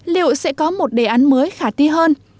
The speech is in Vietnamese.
liệu sẽ có một đề án mới khả ti hơn